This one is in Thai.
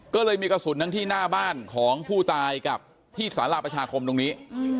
ก็เลยมีกระสุนทั้งที่หน้าบ้านของผู้ตายกับที่สาราประชาคมตรงนี้